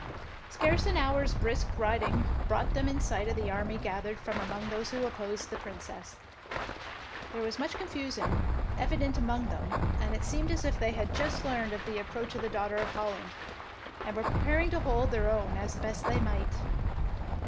Scarce an hour's brisk riding brought 88 THE PRINCESS WINS them in sight of the army gathered from among those who opposed the Princess. There was much confusion evident among them, and it seemed as if they had but just learned of the ap proach of the Daughter of Holland, and were preparing to hold their own as best they might.